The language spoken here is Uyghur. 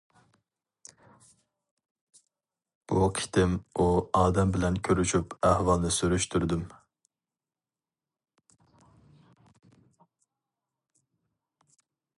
بۇ قېتىم ئۇ ئادەم بىلەن كۆرۈشۈپ ئەھۋالنى سۈرۈشتۈردۈم.